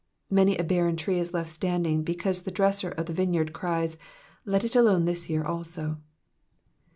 Many a barren tree is left standing because the dresser of the vineyard cries, let it alone this year also."